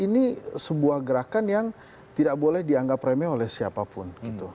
ini sebuah gerakan yang tidak boleh dianggap remeh oleh siapapun